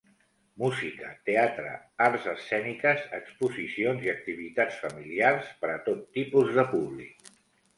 Música, teatre, arts escèniques, exposicions i activitats familiars per a tot tipus de públic.